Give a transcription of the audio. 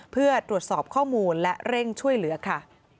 เพื่อตรวจสอบข้อมูลและเร่งช่วยเหลือค่ะ